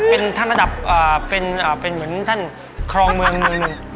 เป็นท่านระดับเป็นเหมือนท่านครองเมืองเมือง